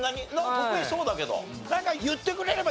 得意そうだけど。